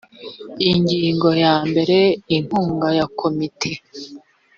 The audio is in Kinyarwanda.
ingingo yambere inkunga ya komite